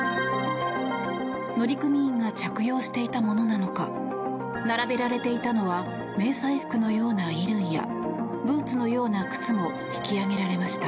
乗組員が着用していたものなのか並べられていたのは迷彩服のような衣類やブーツのような靴も引き揚げられました。